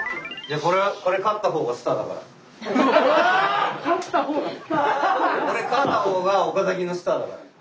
これ勝った方が岡崎のスターだから。